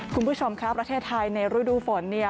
คุณผู้ชมคะประเทศไทยในฤดูฝนเนี่ย